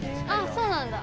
そうなんだ。